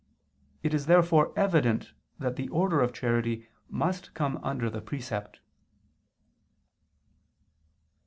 It is therefore evident that the order of charity must come under the precept.